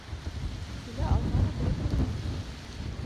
- Килә алмауы дөрөҫтөр уның.